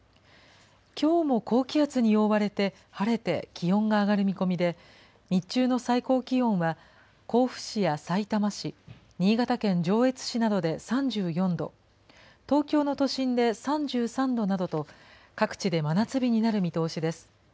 きょうも高気圧に覆われて晴れて気温が上がる見込みで、日中の最高気温は、甲府市やさいたま市、新潟県上越市などで３４度、東京の都心で３３度などと、各地で真夏日になる見通しです。